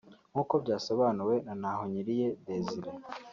nk’uko byasobanuwe na Ntahonkiriye Desire